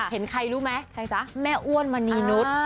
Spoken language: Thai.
เห็นใครรู้ไหมแม่อ้วนมณีนุษย์